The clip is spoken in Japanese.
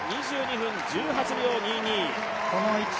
２２分１８秒２２。